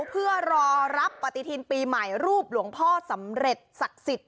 เพื่อรอรับปฏิทินปีใหม่รูปหลวงพ่อสำเร็จศักดิ์สิทธิ